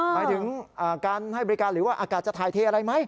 หมายถึงการให้บริการหรือว่าอากาศจะถ่ายเทอะไรไหม